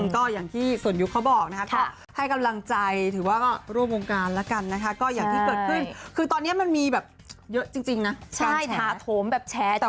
ก็อย่างที่ส่วนยุคเขาบอกนะคะก็ให้กำลังใจถือว่าก็ร่วมวงการแล้วกันนะคะ